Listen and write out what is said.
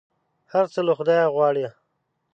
هر څه له خدایه غواړه !